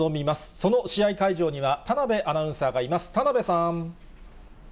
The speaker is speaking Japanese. その試合会場には田辺アナウンサーがいます。